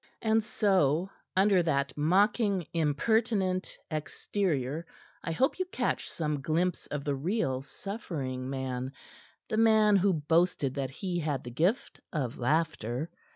And so, under that mocking, impertinent exterior, I hope you catch some glimpse of the real, suffering man the man who boasted that he had the gift of laughter.